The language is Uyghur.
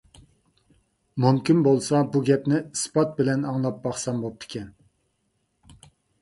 مۇمكىن بولسا، بۇ گەپنى ئىسپات بىلەن ئاڭلاپ باقسام بوپتىكەن.